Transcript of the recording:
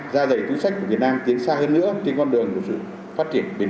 da dày túi sách của việt nam tiến xa hơn nữa